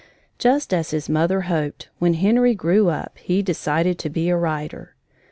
Just as his mother hoped, when Henry grew up, he decided to be a writer.